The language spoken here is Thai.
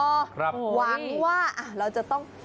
หอโหอรีบหวังว่าเราจะต้อง